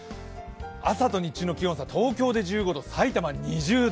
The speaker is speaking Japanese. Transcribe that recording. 朝と日中の気温差、東京で１５度埼玉で２０度。